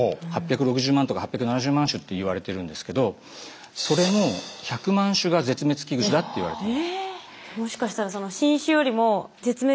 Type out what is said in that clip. ８６０万とか８７０万種といわれてるんですけどそれの１００万種が絶滅危惧種だっていわれてるんです。